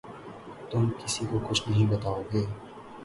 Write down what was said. تم کسی کو کچھ نہیں بتاؤ گے